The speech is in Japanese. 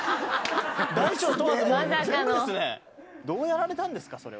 どうやられたんですか？